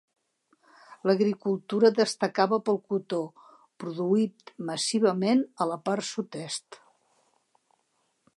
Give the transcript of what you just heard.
L'agricultura destacava pel cotó, produït massivament a la part sud-est.